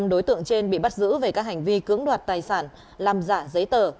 năm đối tượng trên bị bắt giữ về các hành vi cưỡng đoạt tài sản làm giả giấy tờ